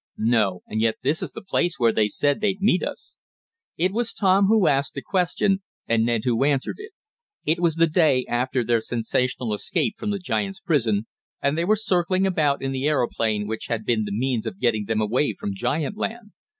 "No, and yet this is the place where they said they'd meet us." It was Tom who asked the question, and Ned who answered it. It was the day after their sensational escape from the giants' prison, and they were circling about in the aeroplane which had been the means of getting them away from giant land.